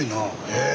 へえ。